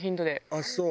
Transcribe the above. あっそう。